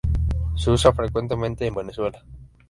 Se usa frecuentemente en Venezuela.